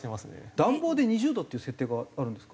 暖房で２０度っていう設定があるんですか？